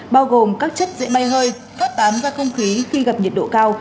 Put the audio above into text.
bao gồm các chất dễ bay hơi phát tám ra không khí khi gặp nhiệt độ cao